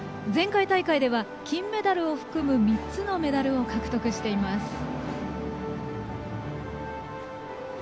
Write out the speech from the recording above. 前回大会では金メダルを含む３つのメダルを獲得しています。